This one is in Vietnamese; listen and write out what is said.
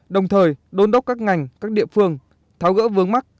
đồng thời đôn đốc các ngành các địa phương tháo gỡ vướng mắt